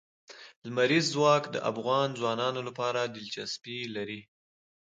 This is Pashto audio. لمریز ځواک د افغان ځوانانو لپاره دلچسپي لري.